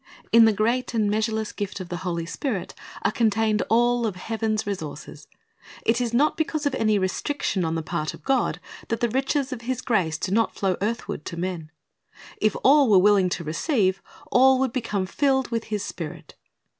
In the great and measureless gift of the Holy Spirit are contained all of heaven's resources. It is not because of any restriction on the part' of God that the riches of His grace do not flow earthward to men. If all were willing to receive, all would become filled with His Spirit.